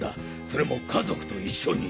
それも家族と一緒に。